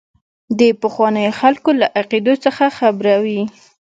د پخوانیو خلکو له عقیدو څخه خبروي.